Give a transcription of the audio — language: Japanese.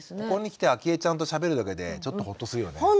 ここに来てあきえちゃんとしゃべるだけでちょっとホッとするよね。